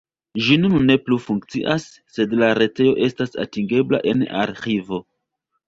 Ĝi nun ne plu funkcias, sed la retejo estas atingebla en arĥivo.